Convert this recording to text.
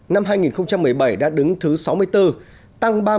năm hai nghìn một mươi bảy đã đứng thứ sáu mươi bốn tăng ba mươi hai bậc chỉ trong vòng một năm